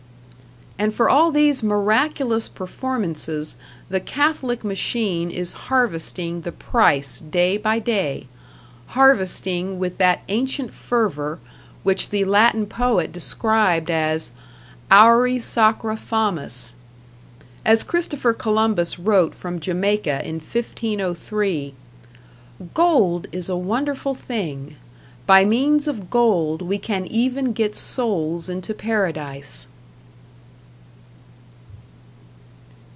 And for all these miraculous performances the Catholic machine is harvesting the price day by day harvesting with that ancient fervor which the Latin poet described as "auri sacra fames". As Christopher Columbus wrote from Jamaica in 1503: "Gold is a wonderful thing. By means of gold we can even get souls into Paradise."